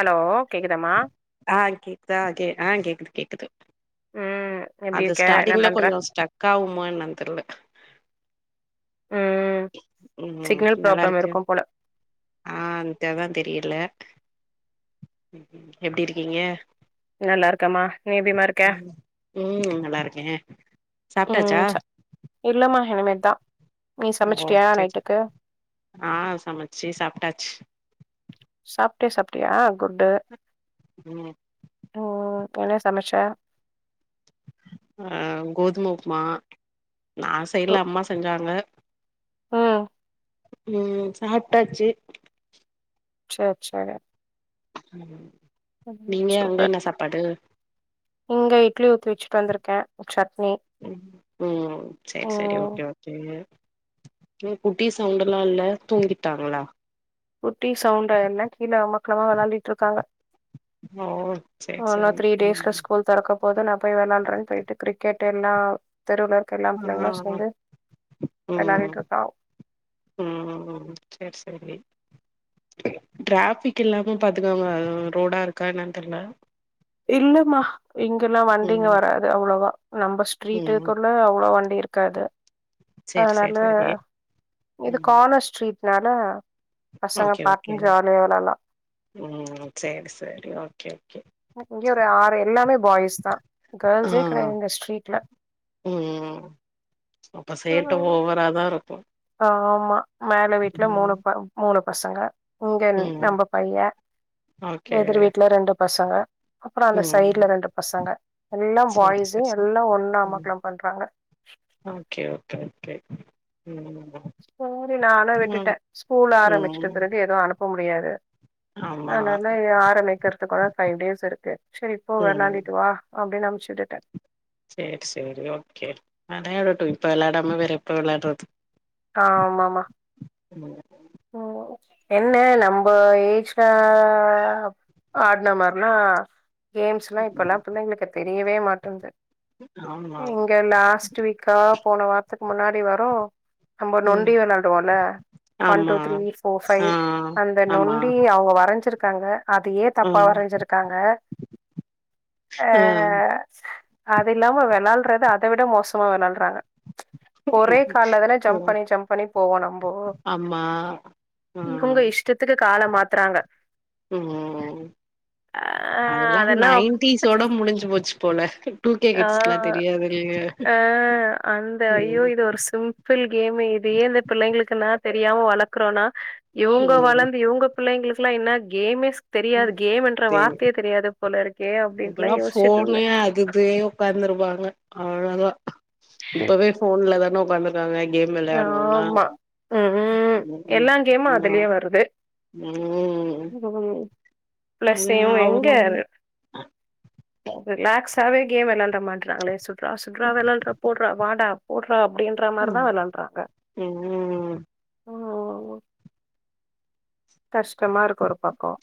Hello கேக்குதாமா ஆஹ் கேக்குதா ஆஹ் கேக்குது கேக்குது ம் எப்டி அது இருக்க என்ன ஸ்டார்ட்டிங்ல பண்ற கொஞ்சம் ஸ்டக் ஆகுமா என்னானு தெரியல ம் உம் சிக்னல் ப்ராப்ளம் நல்லாருக்கு இருக்கும் போல ஆஹ் இதாதான தெரியல எப்டிருக்கீங்க நல்லாருக்கம்மா நீ எப்டிம்மா இருக்கே ம் ம் நல்லா இருக்கே ம் சாப்ட்டாச்சா ச இல்லம்மா இனிமேட் தா ஓ சேர் ஆ சமைச்சி சாப்ட்டாச்சு சாப்ட்டே சாப்ட்டியா குட்டு ம் இப்ப என்ன சமச்ச அ கோதும உப்புமா நா செய்ல அம்மா செஞ்சாங்க ம் ம் சாப்ட்டாச்சு சேர் சேர் ம் ம் ம் நீங்க அங்க சூப்பர் என்ன சாப்பாடு இங்க இ்ட்லி ஊத் வச்ட்டு வந்துருக்கே சட் ம் ம் சேர் சேரி ம் ஓகே ஓகே ம் குட்டிஸ் சவுண்டெல்லா இல்ல தூங்கிட்டாங்களா குட்டி சவுண்டான கீழ அமக்கலாமா விளாண்டிட்டுருக்காங்க ஓ சரி, ஒன் சரி. ஆர் த்ரீ டேஸ்ல ம். ஸ்கூல் தொறக் ப்போதும் நா போய் விளாண்டுறேன்னு போயிட்டு கிரிக்கெட்டெல்லா ம் ம் ம் ம் வெளாடிட்டு இருக்கா ம் ம் செர் செரி ட்ராஃபிக் இல்லாம பாத்துக்கோங்க ஆ ரோடா இருக்கா என்னன்னு தெரியல இல்லம்மா இங்கெல்லா வண்டிங்க ம், வராது அவ்ளவா நம்ம ம். ஸ்ட்ரீட்க்குள்ள அவ்ளவா வண்டி இருக்காது சரி, சரி, அதனால சரி. இது ம். கார்னர் ஸ்ட்ரீட் நாலா பசங்க ஓகே, ஓகே. பாட்டுன்னு ஜாலிய விளாட்லா ம் சேரி சேரி ஓகே ஓகே. இங்கயே ஒரு ஆறு எல்லாமே பாய்ஸ் தா ஆ. கேர்ள்ஸே கெடையாது இந்த ஸ்ட்ரீட்ல ம். அப்ப ஆ சேட்ட ஆ ஓவரா தான் இருக்கும். ஆமா மேல வீட்டுல மூணு ம், பா மூணு பசங்க இங்கென் ம். நம்ப பைய ஓகே. எதிர் வீட்டுல ரெண்டு பசங்க அப்றோ அந்த சைடு்ல ம். ரெண்டு பசங்க எல்லா சரி, சரி, பாய்ஸுங்க சரி. எல்லா ஒன்னா ம். அமக்கல பண்றாங்க ஓகே, ஓகே, ஓகே. ம் ம் சேரி நானு விட்டுட்டே ஸ்கூல் ஆரம்பிச்சுட்ட ம். பிறகு எதுவு அனுப்ப முடி டியாது ஆமா. அதனால ஆரம்பிக்கிறது கூட ஃபைவ் டேஸ் இருக்கு செரி இப்போ ம். விளாண்டுட்டு வா அப்டின்னு அம் சுட்டுடே செரி செரி ஓகே விளையாடட்டு இப்ப விளையாடாம வேற எப்ப விளையாடுறது ஆஹ் ஆமாம ம் என்ன நம்ம ஏஜ்ல ஆடுன மார்னா கேம்ஸ்லா இப்பெல்லா பிள்ளைகள்கு கத் தெரியவே மாட்டன்து ஆமா இங்க லாஸ்ட் வீக்கா போன வார்த்த முன்னாடி வரு நம்ப ம் நொண்டி விளையாடுவோல ஒன் டூ ஆமா த்ரீ ஃபோர் ஃபைவ் ஆ அந்த ஆமா நொண்டி அவங்க வர் வறஞ்சிருக்காங்க அதையே தப்பா ம் வரஞ்சிருக்காங்க ஆ ஆஹ் அது இல்லாம விளாடுறது அத விட மோசமா விளாடுறாங்க ஒரே கால்ல தானே ஜம்ப் பண்ணி ஜம்ப் பண்ணி போவோ நம்போ ஆமா ஆ இவங்க இஷ்டத்துக்கு கால மாத்துறாங்க ம் ம் அதெல்லா நைன்டிஸ்சோட முடிஞ்சு போச்சு போல டூ கே கிட்ஸ்குலா தெரியாதுலங்க ஆஹ் அந்த ஐயோ இது ஒரு சிம்பிள் கேமு இதையே இந்த பிள்ளைங்களுக்கு நான் தெரியாம வளக்றோனா இவங்க ம் வளந்து இவங்க பிள்ளைங்களுக்கு எல்லாம் என்ன கேமே தெரியாது கேம் என்ற வார்த்தையே தெரியாது போல இருக்கு இப்பெல்லா ஃபோனே அதிவே உட்காந்துருவாங்க [unintelligible] இப்பவே ஃபோன்ல்லதான் உக்கா [unintelligible] கேம் விளையாடுவோம்னா ஆமா ம் ம்ம் எல்லா கேமு அதுலயே வருது ம் அது ப்ளஸ்ஸயும் அவங்க எங்க ரிலாக்ஸ்ஸாவே கேம் வெளா ட மாட்றாங்களே சுட்ரா சுட்ரா வெளாட்றா போட்ற வாடா ப அப்டின்ற மாரிதான் வெளாடு ம்ம் ம் கஷ்டமா ருக்கு ஒரு பக்கம்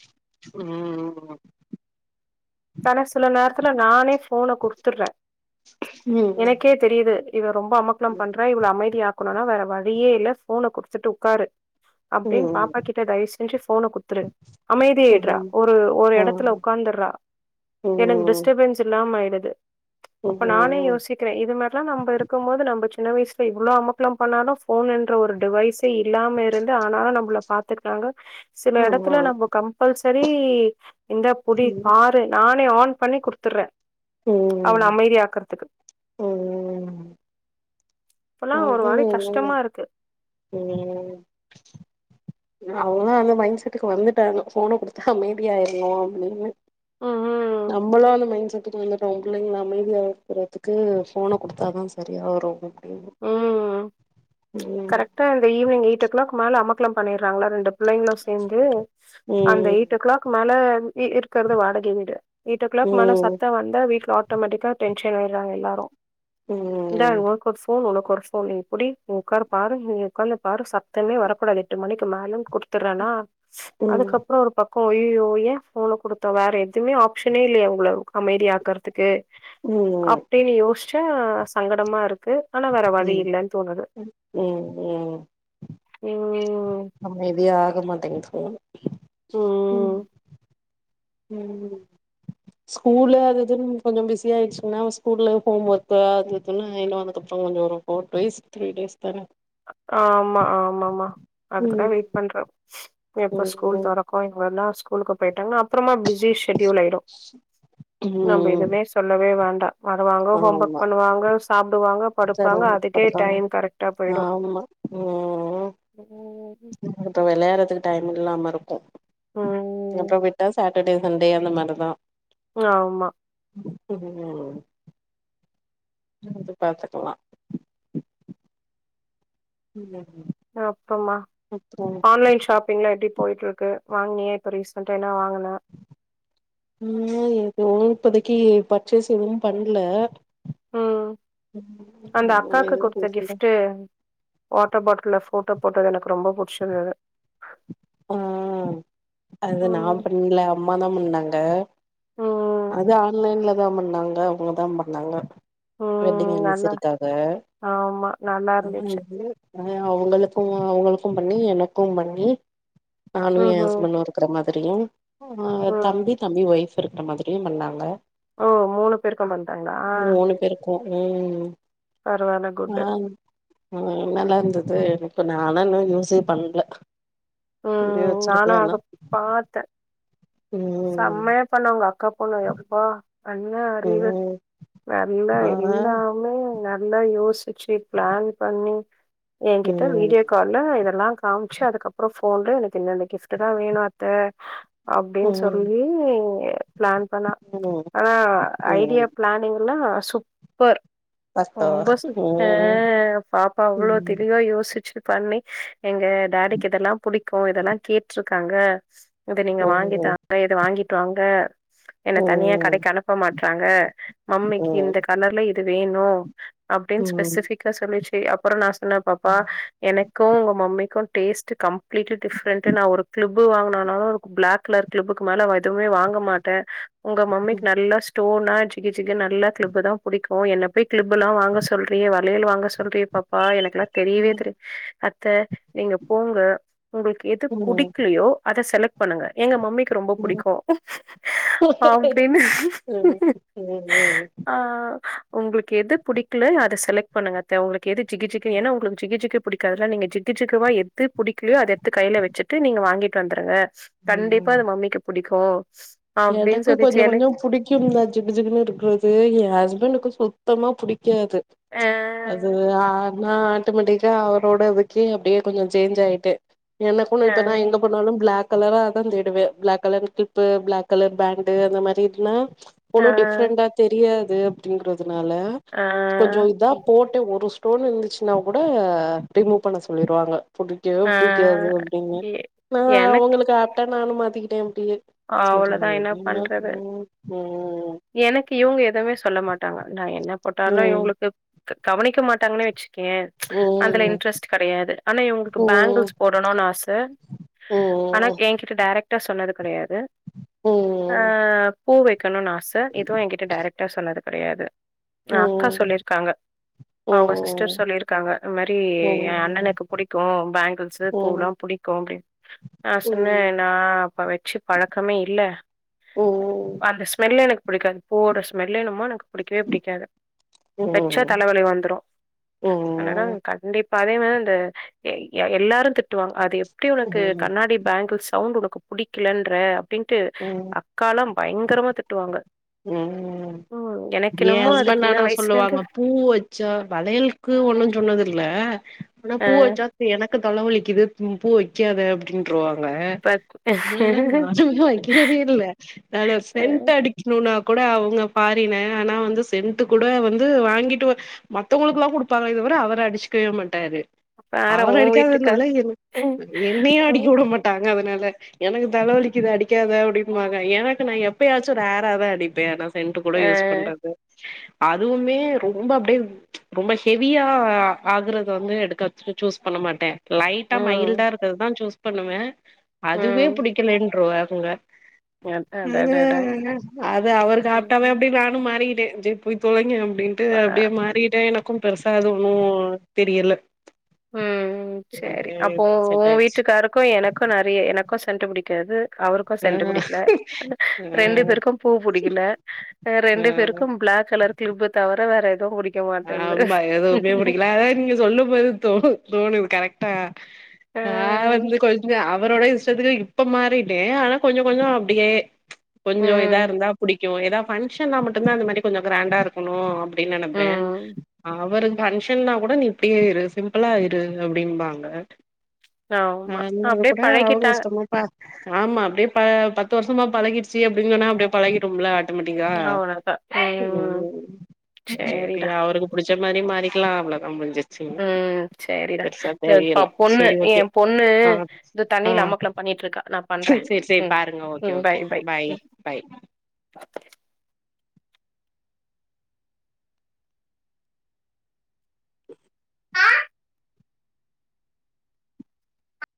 ஆனா சில நேரத்துல நானே ஃபோன குடுத்துட்ற ம் எனக்கே தெரியுது இவ ரொம்ப அமக்ளம் பன்ற இவள அமைதியாக் குனுனா வேற வழியே இல்ல ஃபோன குடுத்துட்டு உக்காரு அப்டின்னு ம் பாப்பா கிட்ட தயவு செஞ்சு ஃபோன குடுத்துரு அமைதியாய்டுறா ம் ஒரு ஒரு ஆ எடத்துல உட்காந்துடுறா எனக்கு ம் டிஸ்டபன்ஸ் இல்ல ஆம் ஆயிடுது அப்ப நானே ம் யோசிக்கிறேன் இது மாரில்லா நம்ப இருக்கும் போது நம்ப சு சின்ன வயசுல இவ்ளோ அமக்களம் பண்ணாலும் ஃபோனுன்ற ஒரு டிவைஸே இல்லாம இருந்து ஆனாலு நம்பள பாத்துக்குடாங்க சில ஆமா எடத்துல நம்ப கம்பல்சரி சரி இந்தா புடி ம் ஆர் நானே ஆன் பண்ணி குடுத்துற அவன ம் அமைதி ஆக்கறதுக்கு ம் இப்பல்லா ஒரு அது மாரி கஷ்டமா இருக்கு அவுங்களா அந்த மைண்ட் செட்டுக்கு வந்துட்டாங்க ஃபோன குடுத்தா அமைதியாயிறனும் அப்டின்னு ம் ம் நம்பளும் அந்த மைண்ட செட் [unintelligible] புள்ளைங்கள அமைதியாக்குறதுக்கு ஃபோன குடுத்தாதான் சரியா வரும் ம் ப்ச் கரெக்டா அந்த ஈவ்னிங் எயிட் ஓ கிளாக் மேல அம்மா [unintelligible] பன்னீர் நாங்லா ரெண்டு பிள்ளைங்களும் சேந்து அந்த ம் எயிட் ஓ கிளாக் மேல இருக்கறது வாடகை வீடு எயிட் ஓ கிளாக் மேல ம் சத்த வந்தா வீட்ல ஆ ஆட்டோமேட்டிகா டென்ஷன் ஆயிறாங்க எல்லாரும் இந்தா ம் ஓ கொஸ் ஃபோன் உனக்கு ஒரு ஃபோன் இப்படி உட்காரு பாரு உக்கந்து பாரு சத்தமே வரக்கூடாது எட்டு மணிக்கு மேலும் கொடுத்து த்துறனா ம் அதுக்கப்புறம் ஒரு பக்க ஐய்யயோ ஏன் ஃபோன கொடுத்தோம் வேற எதுவுமே ஆப்ஷனே இல்லையே உங்கள அமைதி ஆக்குறதுக்கு ம் அப்டின்னு யோசி ச்ச சங்கடமா இருக்கு ஆனா வேற வழி ம் இல்லன்னு தோணுது ம் ம் ம் ஆமா இது ஆகமாடேங்குது ம் ம் ம் ஸ்கூல்ல அது இதுன் கொஞ்ச பிஸி ஆயச்சுங்கன்னா ஸ்கூல்ல ஹோம் ஒர்க்க அது இதுன்னு எல்லாமே [unintelligible] கொஞ்சம் ஒரு த்ரீ டேஸ் தானே ஆமா ஆமா மா ம் அதுக்குதான் வெயிட் பண்ற எப்போ ஸ்கூல் ம் தொரக்கும் மறுநா ஸ்கூல்க்கு போய்ட்டாங்கன்னா அப்றமா பிஸி செடியுல் ஆய்டும் நம்ம ம் எதுமே சொல்லவே வேண் வருவாங்க ஹோம் ஒர்க் ஆமா பண்ணுவாங்க சாப்டுவாங்க படுப்பாங்க அதுக்கே சிரமப்படுறாங்க டைம் கரெக்டா போயிடும் ம் இப்ப விளையாறதுக்கு டைம் இல்லாம இருக்கும் ம் அப்புறம் விட்டா சாட்டர்டே சண்டே அந்த மாரிதான் ஆமா [unintelligible] அது பாத்துக்லாம் [inaudible] ஆ போமா அப்புறோ ஆன்லைன் ஷாப்பிங்லாம் எப்படி போயிட்டு இருக்கு வாங்கினியா இப்ப ரீசன்டா என்ன வாங்க ம் ஏதோ இப்போதைக்கு பர்ச்சேஸ் எதுவும் பண்ணல ம் அந்த அக்காக்கு எதுவும் கொடுத்த பேசல கிப்ட் வாட்டர் பாட்டில் போட்டோ போட்டது எனக்கு ரொம்ப புடிச்சு இருந்தது ஆ அது நான் ம் பண்ணல அம்ம தான் பாங்க ம் அது ஆன்லைன்ல தான் பண்ணாங்க அவங்க தான் பண்ணாங்க வெட்டிங் ம் நல்லா அனுச்சரிக்காக ஆமா நல்லா ஆ இருந்துச்சு ஏ அவுங்களுக்கு அவுங்களுக்கும் பண்ணி எனக்கும் பண்ணி நானு ஏ ம்ஹும் ஹஸ்பண்டு இருக்குற மாரி சரிங் ஆ ம் தம்பி தம்பி ஒய்ஃப் இருக்குற மாதிரியு பண்ணாங்க ஓ மூணு பேருக்கும் பண்தாங்களா ம் ம் பரவால குட்டு ம் நல்லா இருந்துது இப்ப நாலானு யூஸே பண்ணல ம் நானு ஆகப் பாத்தே ம் செம்மையா பண்ணோங்க தப்போ நா எப்ப அண்ணா அறிவு ம் நல்லா ஆ எல்லாமே நல்லா யோசுச் ச்சு ஃப்ளான் பண்ணி ஏங் கிட்ட ம் வீடியோ கால்ல இதெல்லா காம்ச்சு அதுக்கப்பறோ போன்ல எனக்கு இந்த இந்த கிஃப்ட் தா வேணு அத்த அப்டின்னு சொல் ம் சொல்லி ஃப்ளான் பண்ணா ம் ஆனா ஐடியா ம் ஃப்ளானிங்கெல்லா சுப்பர் கஷ்டோ ரொம்ப எ ம் அ பாப்பா அவ்ளோ ம் தெளிவா யோசிச்சு பண்ணி எங்க ஃடாடிக்கு இதெல்லா புடிக் ஓ இதெல்லா கேட்ருக்காங்க இத நீங்க ம் ம் வாங்கித்தா இத வாங்கிட்டு வாங்க என்னத் தனியா ம் ம் கடைக்கு அனுப்ப மாட்டறாங்க மம்மிக்கு இந்த கலர்ல இது வேணு அப்டின் ம் ஸ்பெசிபிக்கா சொல்லிற்சு செரி அப்பறோ நா சொ என்ன பாப்பா எனக்கூ உங்க மம்மிக்கு டேஸ்ட்டு கம்ளீட்டு டிஃப்ரெண்ட்டு நா ஒரு க்ளிப்பு வாங்குனனாலு ஃப்ளாக் கலர் க்ளிப்புக்கு மேல எதுவுமே வாங்க மாட்டே உங்க மம்மிக்கு நல்லா தோனா ஜிகு ஜிகு நல்லா க்ளிப்பு தா புடிக்கூ என்ன போய் கிளிப்பெல்லா வாங்க சொல்றயே வ ளையல் வாங்க ஸ் சொல்றியே பாப்பா எனக்கெல்லா தெரியவே தெரிய அத்த நீங்க போங்க உங்களுக்கு எது ம் புடிக்லையோ அத செலக் பண்ணுங்க எங்க மம்மி கு ரொம்ப ம் புடிக்கூ அப்டின்னு ஆ உங்களுக்கு எது புடிக்கல அத செலக்ட் பண்ணுங்கத்த உங்களுக் எது ஜிகு ஜிகு ஏனி உங்களுக்கு ஜிகு ஜிகு புடிக்காதுல்ல நீங்க ஜிகு ஜிகுவா எது புடிக்கலயோ அது எட் து கைல வச்சுட்டு நீங்க வாங்கிட் தந்துருங்க கண்டிப் பா ம் அது மம்மிக்கு புடிக் கோ எனக்கு கொஞ்ச கொஞ்ச புடிக்கும் தா ஜிகு ஜிகுன் இருக்குறது ஏ ஹஸ்பண்ட்கு சுத் த்தமா புடிக் க்காது ஆ, அது ஆ நா டொமட்டிக்கா அவரோட இதுக்கே அப்டியே கொஞ்சொ சேஞ்ச் ஆயிட்டே எனக்கூ நா ஆ, இப்ப நா எங்க போனாலூ பிளாக் கலராதா தேடுவே black colour clip black colour pant அந்த மாரி இருனா ஆ, ஒன்னூ டிஃப்ரெண்டா தெரியாத் து அப்டிங்கிறத் அத்னால கொஞ்சொ இதா போட்டே ஒரு ஸ் டோன் இந்துச்சுன்னா கூட ரிமூவ் பண்ண சொல்லிருவாங்க புடிக்கவே ஆ, புடிக்காது அப்படின்னு எ நா அவுங்களுக்கு ஆப்டா நானூ மாத்திக்கிட்டே அப்டியே செரி அவ்ளதா என்ன எப்டின்னா பண்றது ம் ம் எனக்கு இவுங்க எதுமே சொல்ல மாட்டாங்க நா என்ன போட்டானா ம் இவுங்களுக்கு கவனிக்க மாட்டாங்கனேச் கே அதுல ம் இன்ட்ரெஸ்ட் கெடையாது ஆனா ம் இவுங்களுக்கு ம் பேங்கிள்ஸ் போடணூனு ஆச ஆனா ம் எங்கிட்ட டைரக்ட் டா சொன்னது கெடையாத் து ஆ ம் போவே க்கணுன் ஆச ம் ம் இதுவு எங்கிட்ட டைரக்டா சொன்னாரு கெடையாது ஏ அக்கா சொல்லிருக்காங்க அவங்க சிஸ்டர் சொல்லிருக்காங்க இந்த மாரி எ அண்ணனுக்கு புடிக்கு பேங்கிள்ஸு பூல்லா புடிக்கு அப்டின் நா சொன்ன நா அப்ப வெச்சு பழக்கமே இல்ல அந்த ஸ்மெ ல் எனக்கு பிடிக்காது பூவோட ஸ்மெல் என்னமோ எனக்கு புடிக்கவே புடிக்காது வெச்சா தலவலி வந்துரு அதனால கண்டிப் பா அதே மாரி அந்த எ எல்லாரு திட்டுவாங்க அது எப்டி உனக்கு கண்ணாடி பேங்கிள்ஸ் சவுண்ட் உனக் கு புடிக்கலன் ற அப்டின்ட்டு அக்காலா பயங்கரமா திட்டுவாங்க ம் ம். எனக்கு எ என்னமோ அது ம். ஹஸ்பண்ட் சின்ன ஆனா வயசுலேருந்து சொல்லுவாங்க பூ வச்சா வளயலுக்கு ஒன்னுஞ் சொன்னதில்ல ஆனா அ பூ வெச்சா எனக் கு தலவலிக்குது பூ வெக்காத அப்டின்ட்ருவாங் க ப அதனால நானு வெக்கிறதே இல்ல நானு அ சென்ட் அடி க்கனுனா கூட அவங்க ஃபாரினு ஆனா வந்து சென்ட் கூட வந்து வாங்கிட்டு மத்தவங்களுக்குலா குடுப்பாங்களே தவிர அவர் அடிச்சுக்கவே மாட்டாரு பாரேன் அவர் உன் வீட்டுக்கா அடிக்காதனாலா எ ம். என்னையு அடிக்க உட மாட்டாங்க அதனால எனக்கு தலைவலிக்குது அடிக்காத அப்டிம்பாங்க எனக்கு நா எப்பயாச்சு ரேராதா அடிப்பே ஆனா சென்ட்டு கூட அ யூஸ் பண்றது அதுவுமே ரொம்ப அப்டியே ரொம்ப ஹெவியா ஆகுறத வந்து எடுக்கா சூஸ் பண்ண மாட்டே லைட்டா ம். மைல்டா இருக்கதுதா சூஸ் பண்ணுவ அதுவே புடிக்கலைன்ட்ருவா ங்க அடடடட அது அவரு சாப்ட்டாவே அப்டே நானும் மாறிட்டே சே போய் தொலைங்க அப் டின்ட்டு பா அப்டியே மாறிட்டே என க்கு பெருசா எதுவு தெரியல ம் சரி அப்டியே அப்போ உ செட் ஆயிடுச்சு வீட்டுக்காருக்கு எனக்கு நெறைய எனக் க்கோ சென்டு புடிக்காது அவருக்கு சென்டு ஆ புடிக்ல ரெண்டு ம் பேருக்கு பூ புடிக்ல ரெண்டு ம் பேருக்கு பிளாக் கலர் கிளிப்பு தவிர வேற [unintelligible] ஆமா எதுமே புடிக்கல அதா நீங்க சொல்லும் போது தோணுது கரெக்டா அ நா வந்து கொஞ்ஜோ அவரோட இஷ் [unintelligible] இப்ப மாரிட்டே ஆனா கொஞ்ஜோ கொஞ்ஜோ அப்டியே ம்ச் கொஞ்ஜோ இதா ம், இருந்தா புடிக்கு ஏதா பங்க்ஷனா மட்டுதா அந்த மாரி கொஞ்ஜோ கிராண்டா இருக்கனு அப் டினு நெனப்பே ம். அவரு பன்ஷ் ன்னா குட நீ இப்டியே இரு சிம்பிளா இரு அப்டிம்பாங்க ஆமா. ஆஹ் அந்த இது அப்டியே குட அவங்க பழகிட்டாங்க. இஷ்டமாப்பா ஆமா அப்டியே பா பத் த்து வருஷமா பழகிடுச்சி அப்டின்னு சொன்னா அப்டியே பழகிரும்ல அவ்ளோதா உம் சேரி சேரிடா அவருக்கு புடிச்ச மாரி மாறிக்க [unintelligible] உம் சேரிடா இந்த இப்ப பொண்ணு செரி ஏ ஓகே பொண்ணு ஆ இந்த ஆ தண்ணில அமக்கலோ பண்ணிட்ருக்கா நா பண்றே செரி செரி ம் பாருங்க ஓகே ம் ஓகே பாய் பாய் ம் பாய்